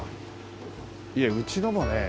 いやうちのもね